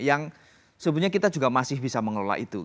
yang sebenarnya kita juga masih bisa mengelola itu